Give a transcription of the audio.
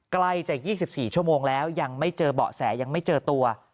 ใกล้จะ๒๔ชั่วโมงแล้วยังไม่เจอเบาะแสยังไม่เจอตัว